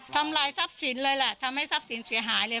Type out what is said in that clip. ทำลายทรัพย์สินเลยแหละทำให้ทรัพย์สินเสียหายเลย